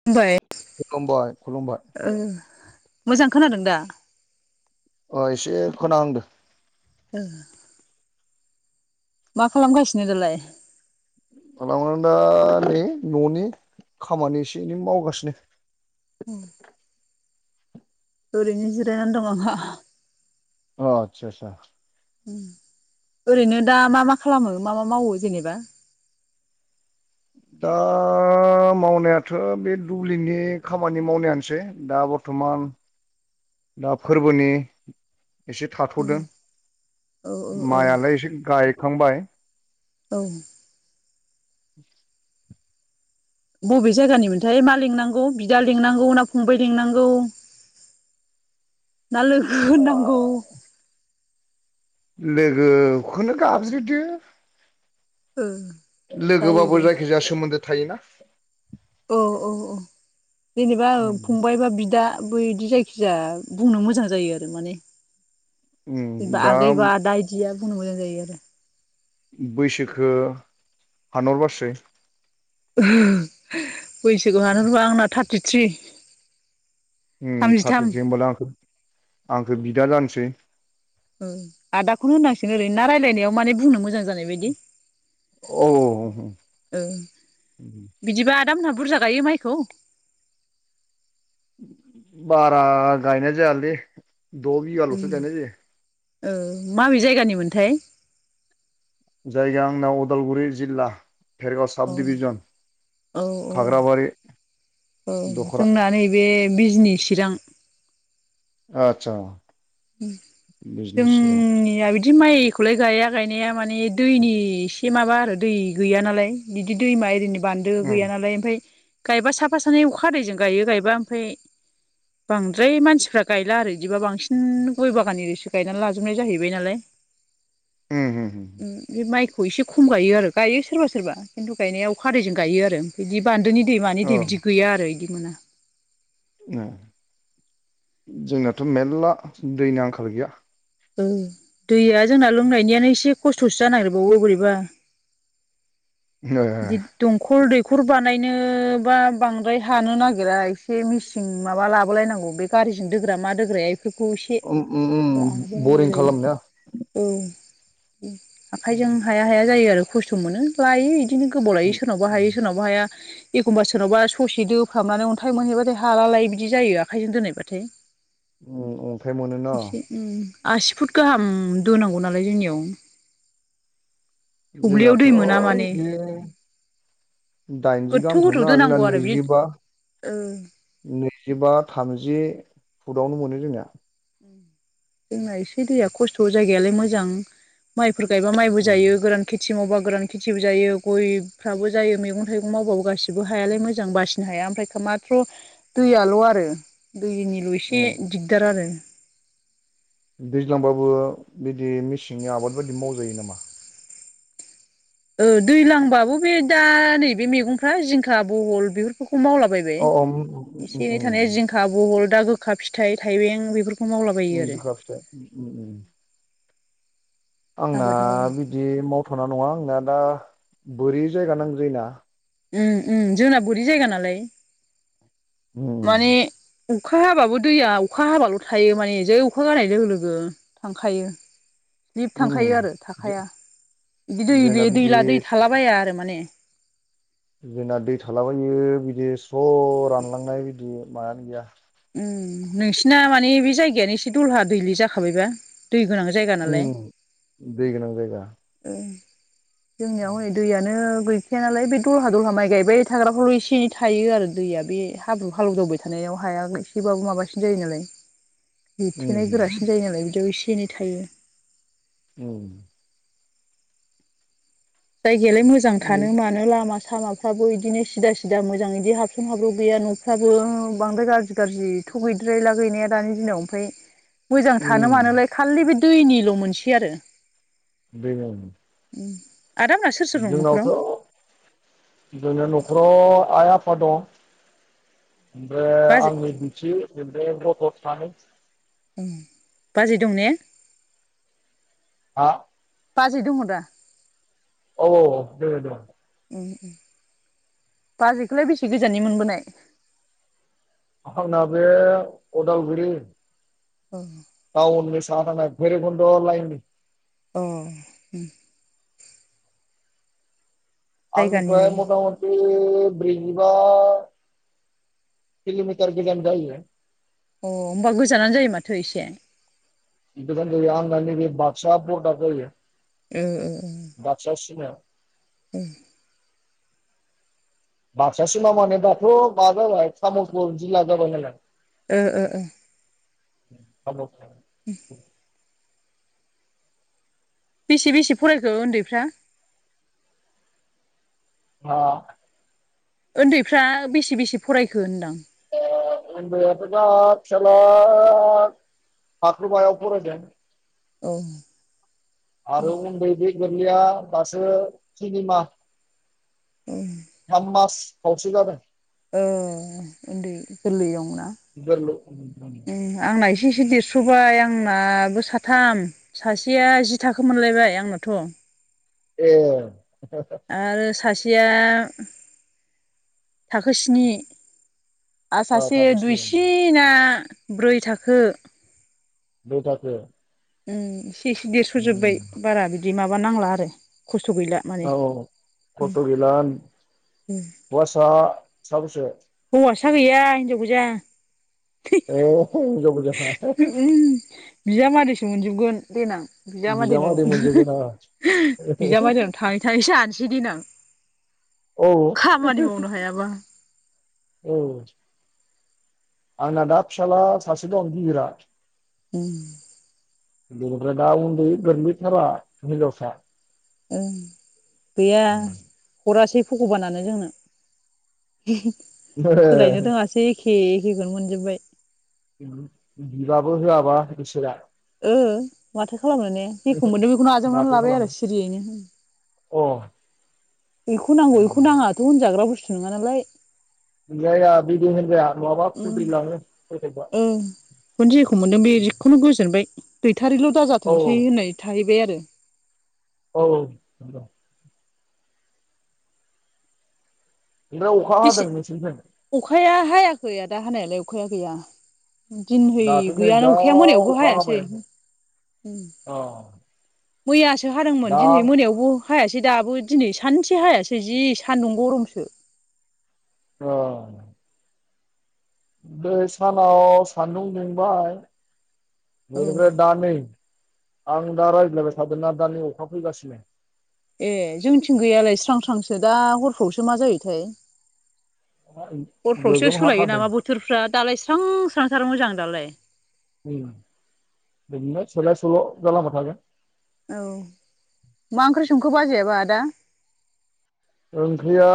[unintelligible] खुलुमबाय खुलुमबाय मोजां खोनादों दा ओ एसे खोनाहांदो [unintelligible] मा खालामगासिनो दालाय दा नै न'नि खामानि एसे एनै मावगासिनो [unintelligible] ओरैनो जिरायनानै दं आंहा आतसा आसा ओरैनो दा मा-मा खालामो मा-मा मावो जेनेबा दा मावनायाथ' बे दुब्लिनि खामानि मावनायानोसै दा बर्थमान दा फोरबोनि एसे थाथ'दों औ औ माइआलाय एसे गायखांबाय औ बबे जायगानिमोनथाय मा लिंनांगौ बिदा लिंनांगौ ना फंबबाय लिंनांगौ ना लोगो दा होननांगौ लोगोखौनो गाबज्रिदो ओ जायो दे लोगोबाबो जायखिजाया सोमोन्दो थायोना औ औ औ जेनेबा फंबाय बा बिदा बैदि जायखिजाया बुंनो मोजां जायो आरो माने उम जेनेबा दा आगै बा आदा एदिबा बुंनो मोजां आरो बैसोखो हानहरबासै बैसोखौ हानहरबा आंना थार्टिथ्रि थामजिथाम थार्टिथि होमबालाय आं आंखौ बिदा जानोसै आदाखौनो होनांसिगोन ओरैनो रायलायनायाव माने बुंनो मोजां जानाय बायदि औ ओं बिदिबा आदा मोनहा बुरजा गायो माइखौ? बारा गायनाय जायालै द' बिगाल'सो गायनाय जायो। ओ माबे जायगानि मोनथाय? जायगाया आंना अदालगुरि जिल्ला। भेरगाव औ साब दिभिजन औ खाग्राबारि दख'रा। बे बिजनि चिरां आदसा बिजनि उम चिरां जोंनिया बिद दि माइखौलाय गाया गायनाया माने दैनि एसे माबा आरो दै गैया नालाय बिदि दैमा एरिनि बान्दो उम गैया नालाय ओमफाय गायबा साफा सानै अखा हादैजों गायो गायबा ओमफाय बांद्राय मानसिफ्रा गायला आरो इदिबा बांसिन उम गय बागान एरिसो गायना लाजोबनाय जाहैबाय नालाय। उम उम उम उम बे माइखौ एसे खम गायो आरो गायो सोरबा सोरबा खिन्थु गायनायाव अखा हादैजों गायो आरो। बिदि बान्दोनि दै मानि औ दै बिदि गैया आरो बिदि मोना। ओङो जोंनाथ' मेरला दैनि आंखाल गैया। ओं दैया जोंना लोंनायनियानो एसे खस्थ'सो जानो नागिरबावो बोरै बा। [inaudible] ओ ओ दंखल दैखर बानायनोबा बांद्राय हानो नागिरा एसे मिस चिं माबा लाबो लायनांगौ बे गारिजों दोग्रा मा दोग्राया एफोरखौ एसे ओ उम उम उम होनांगौ बरिं खालामनाया जायो। औ उम आखायजों हाया। हाया जायो आरो खस्थ' मोनो लायो इदिनो गोबाव लायो सोरनावबा हायो उम सोरनावबा हाया। एखमबा सोरनावबा ससे दोफ्रामनानै अन्थाइ मोनहैबाथाय हाला लाय बिदि जायो आखाइजों दोनाय बाथाय। उम अन्थाय मोनो ना। उम आसि फुट गाहाम दोनांगौ नालाय जोंनियाव। थब्लियाव जोंनावथ' दै मोना माने बिदिनो दाइनजि गोथौ गाहाम गोथौ थांनाङा जोंना दोनांगौ आरो बि नैजिबा ओ नैजिबा, थामजि फुदावनो मोनो जोंना। जोंना एसे दैया खस्थ' जायगाया लाय मोजां माइफोर गायबा मायबो जायो गोरान खेथि मावबा गोरान खेथिबो जायो। गयफ्राबो जायो मैगं थाइगं मावबाबो गासिबो हायालाय मोजां बासिनो हाया। ओमफ्राय हा माथ्र' दैयाल' आरो दैनिल' एसे उम दिगदार आरो। दैज्लांबाबो बिदि मेसेंनि आबाद बायदि मावजायो नामा? ओ दैलांबाबो बे दा नैबे मेगंफ्रा जिंखा, बहल बेफोरखौ मावलाबाय बे अ अ एसे एनै उम थानाय जिंखा, बहल दा गोखा फिथाइ थाइबें बेफोर उम गोखा फिथाइ उम उम उम आंना आबाद मावो बिदि मावथ'ना नङा आंना दा बोरि जायगा नांगो जायो ना। उम उम जोंना बोरि जायगा नालाय माने उम अखा हाबाबो दैया अखा हाबाल' थायो माने जै अखा गारनाय लोगो लोगो थांखायो। सिलप उम थांखायो आरो थाखाया बि जोंना दैले बिदि दैला दै थालाबाया आरो माने। जोंना दै थालाबायो बिदि स्र' रानलांनाय बिदि मायानो गैया। उम नोंसिना माने बे जायगायानो एसे दलहा दैले जाखाबायबा। दै गोनां जायगा उम नालाय। दै गोनां जायगा ओ जोंनियाव हनै दैयानो गै गैखायानालाय बे दलहा दलहा माइ गायबाय थाग्राफ्रावल' एसे एनै थायो आरो दैया बे हाब्रु हालौ दावबाय थानायाव हाया गै एसेबाबो माबासिन जायो नालाय उम लिरथेनाय गोरासिन जायो नालाय बिदियाव एसे एनै थायो। उम जायगायालाय मोजां थानो मानो लामा सामा फ्राबो इदिनो सिदा सिदा मोजां इदिनो हाबसन हाब्र' गैया न'फ्राबो बांद्राय गाज्रि गाज्रि थ' गैद्रायला गैनाया दानि दिनाव ओमफाय मोजां थानो उम मानोलाय खालि बे दैनिल' मोनसे आरो। [unintelligible] उम आदामास जोंनावथ' जोंना न'खराव आइ आफा दं। ओमफ्राय बाजै आंनि बिथि ओमफ्राय गथ' सानै। उम बाजै दं ने? हा? बाजै दङ दा? औ औ दोङो दङ। उम बाजैखौलाय बेसे गोजाननि मोनबोनाय? आंना बे उदालगुरि। उम। टाउननि साहा थांनाय भैरबखुन्द' लाइननि। अ उम आंनिफ्राय जायगानिनो मथा मथ थि ब्रैजिबा किल'मिटार गोजान जायो। अ होमबा गोजानानो जायो माथो एसे। गोजान जायो आंना नैबे बागसा बरदाद जायो। ओ ओ। बागसा सिमायाव। उम। बागसा सिमा माने दाथ' मा जाबाय तामुलपुर जिल्ला जाबाय नालाय। ओ ओ ओ। तामुलपुर। उम बेसे बेसे फरायखो ओन्दैफ्रा? मा? ओन्दैफ्रा बेसे बेसे फरायखो होनदां? ओ उन्दैयाथ' दा फिसाला थाखो बायाव फरायदों। औ। आरो उन्दै बे गोरलैया दासो टिनिमा। उम थाम मास खावसे जादों। ओ उन्दै गोरलै दंना। [unintelligible] आंना एसे एसे देरस'बाय आंनाबो साथाम। सासेया जि थाखो मोनलायबाय आंनाथ'। ए [unintelligible] आरो सासेया थाखो स्नि आरो सासे थाखोस्नि दुइसिना ब्रै थाखो नै थाखो उम इसे इसे देरस्र'जोबबाय बारा बिदि माबा नांला आरो खस्थ' गैला माने औ औ खस्थ' गैला हौवासा साबैसे हौवासा गैया हिनजाव गोजा ए हिन्जाव गोजा [unintelligible] बिजामादैसो मोनजोबगोन देनां बिजामादैनाव बिजामादै मोनजोबगोन आंहा [unintelligible] बिजामादैनाव थाङै थाङै जानोसै देनां औ खामानि मावनो हायाबा औ आंना दा फिसाला सासे दं गिदिरा उम बेनिफ्राय दा उन्दै गोरलै थारा हिन्जावसा ओं गैया हरासै भग'बानानो जोंनो [unintelligible] ए सोलायनो रोङासै एखे एखेखौनो मोनजोबबाय बिबाबो होआबा इसोरा ओ माथो खालामनो ने जेखौ मोनो बेखौ आजावनानै माथो लाबाय आरो खालामनो सिरियैनो। अ बेखौ नांगौ उम। बेखौ नाङाथ' होनजाग्रा बुस्थु नङा नालाय होनजाया बिदि होनजाया नङाबा खुद्रिलाङो [unintelligible] उम बेखौनो जेखौ मोनदों बे जिखौनो गोजोनबाय गैथारिल' औ दाजाथोंसै होननाय थाहैबाय आरो औ औ बिराद अखा हादों बेसे नोंसिनिथिं। अखाया हायाखै आदा हानायालाय अखाया गैया। दिनहै दाथ' नै जा गैयानो अखाया मोनायावबो अखा हाबाय हायासै। अ मैयासो हादोंमोन दा दिनै मोनायावबो हायासै दाबो दिनै सानसे हायासै जि सान्दुं गरमसो। अ। दहाय सानाव सान्दुं दुंबाय औ बेनिफ्राय दा नै। आं दा रायलायबाय थादोंना दा नै अखा फैगासिनो। ए जोंथिं गैयालाय स्रां स्रांसो दा हरफ्रासो मा जायोथाय। हरफ्रावसो गोगोम सोलायो हाखादों नामा बोथोरफ्रा दालाय स्रां स्रांथारो मोजां दालाय। उम बिदिनो सोलाय सोल' जालांबाय थागोन। औ मा ओंख्रि संखो बाजैयाबा आदा! ओंख्रिया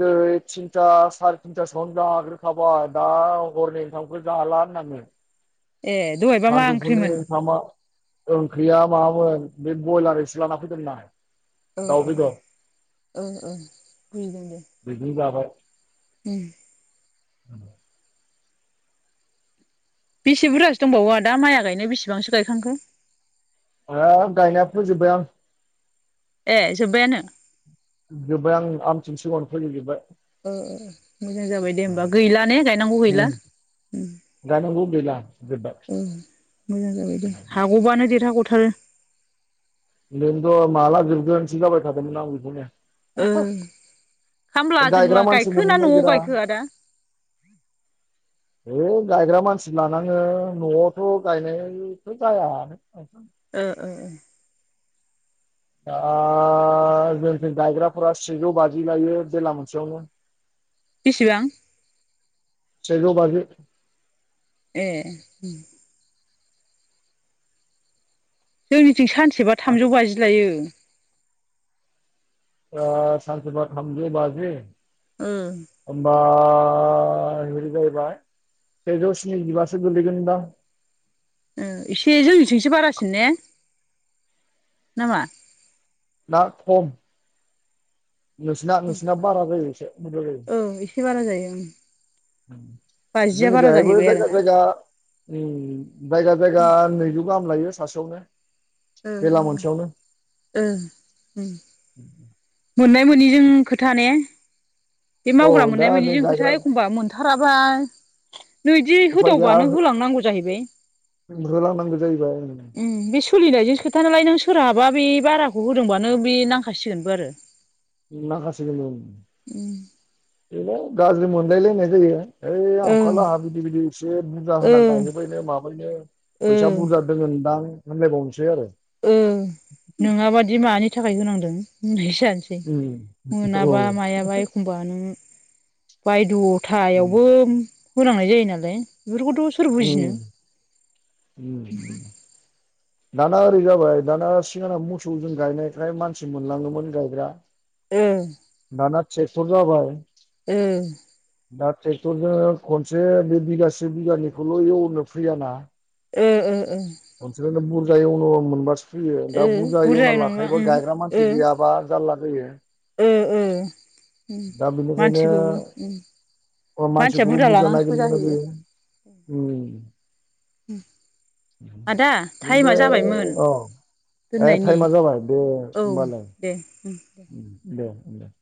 दै थिनथा सारा थिनथासोआवनो जाग्रो खाबाय दा हरनि ओंखामखौ जाला होननानै। ए दहाय सानजौफुनि ओंखामा ओंख्रिया माबामोन बे ब्रयलार एसे लाना फैदोंमोन आं। ओं दाउ ओं बेदर ओं ओं बुजिदों दे। बिजोंनो जाबाय। उम। औ [inaudible] बेसे बुरजासो दंबावो आदा माइया गायनो बेसेबांसो गायखांखो? आ गायना फोजोबाय आं। ए जोब्बायानो? जोब्बाय आं आमथिनि सिगाङावनो फोजोब जोब्बाय। ओ ओ ओ मोजां जाबाय दे होमबा गैला ने गायनांगौ गैला उम। गायनांगौ गैला जोबबाय। उम मोजां जाबाय दे हाग'बानो देरहा ग'थारो। बेन्थ' माला जोबगोनसो जाबाय थादोंमोन आं बेखौनो। ओं खामलाजों गायग्रा ला मानसि मोननो गायखोना न'आव नागिरा गायखो आदा? [inaudible] है गायग्रा मानसि लानाङो न'आवथ' गायनायथ' जाया। [unintelligible] ओ ओ ओं। दा जोंथिं गायग्राफोरा सेजौ बाजि लायो बेला मोनसेयावनो। बिसिबां? सेजौ बाजि। ए उम। जोंनिथिं सानसेबा थामजौ बाजि लायो। ओ सानसे बा थामजौ बाजि ओ होमबा आ ओरै बायदि जाहैबाय सेजौ स्निजिबासो गोलैगोनदां। ओ एसे जोंनिथिंसो बारासिन ने नामा? ना खम नोंसिना नोंसिना बारा जायो एसे बुरजा जायो। औ एसे बारा जायो ओं। उम बाजिया जोंनि बारा बेहायबो जाहैबाय जायगा आरोना। जायगा उम जायगा जायगा नैजौ गाहाम लायो सासेयावनो ओ ओ बेला मोनसेयावनो ओ ओ उम। उम उम मोननाय मोनिजों खोथा ने बे औ मावग्रा दा मोननाय नै मिनिजों खोथा गायग्रा एखमबा मोनथाराबाय नैदि उफाय गैया होदावबानो होलांनांगौ जाहैबाय। [unintelligible] जाहैबाय ओं। उम बे सोलिनायजोंसो खोथा नालाय नों सोरहाबा बे बाराखौ होदोंबानो बे नांखासिगोनबो आरो। नांखासिगोन ओं। उम। बेनो गाज्रि मोनलाय लायनाय जायो ओइ ओं आमोखालाहा बिदि बिदि एसे बुरजा ओ होनानै गायहोबायनो माबायनो ओ फैसा बुरजा दोङोनदां होनलाय बावनसै आरो। ओं नोङाबादि मानि थाखाय होनांदों होन्नायसो जान सै औ मोनाबा मायाबा एखमबा नों बायद'थायावबोम होनांनाय जायो नालाय बेफोरखौथ' सोर बुजिनो उम उम। दाना ओरै जाबाय दाना सिगांना मोसौ जों गायनायखाय मानसि मोनलाङोमोन गायग्रा ओं। दाना ट्रेक्टर जाबाय। उ दा ट्रेक्टरजों खनसे बे बिगासे बिगानिखौल' एवनो फैयाना उ उ उ नोंसोरनो बुरजा एवनो मोनबासो फैयो ओ दा बुरजा एवना बुरजाय नङा लाखायोबा उम गायग्रा ओ मानसि गैयाबा जारला जायो ओ ओ उम दा बेनिखायनो मानसिखौबो उम [unintelligible] मानसिया मानसिखौबो बुरजा लानांसिगौ नागिरनो गोनां जायो उ उ ओमफ्राय अ ए दोननायनि टाइमा जाबाय दे औ होमबालाय दे उम दे दे